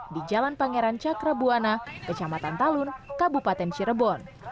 di jalan pangeran cakrabuana kecamatan talun kabupaten cirebon